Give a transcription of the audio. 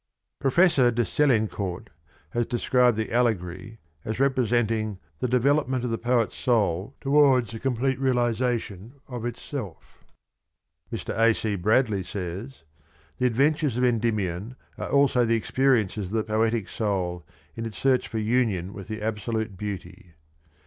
Professor de Selincourt^ has described the allegory ueflniuons as representing " the development of the poet's soul towards a complete realisation of itself." Mr. A. C. Bradley says^ :" The adventures of Endymion are also the experiences of the poetic soul in its search for union ^ with the^absolute Beauty."